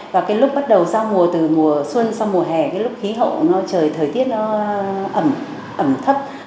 và lúc bắt đầu sau mùa từ mùa xuân sang mùa hè lúc khí hậu trời thời tiết ẩm thấp